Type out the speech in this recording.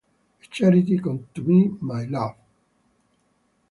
A charity to come to me, my love!